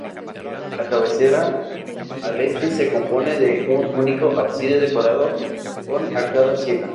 La cabecera, al este, se compone de un único ábside decorado con arcada ciega.